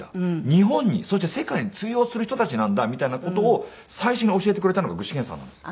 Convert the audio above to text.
日本にそして世界に通用する人たちなんだみたいな事を最初に教えてくれたのが具志堅さんなんです。